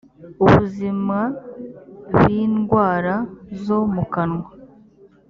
ubuzima bindwara zo mukanwa